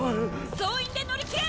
「総員で乗り切れ！」